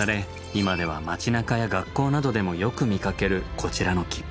今では街なかや学校などでもよく見かけるこちらの木。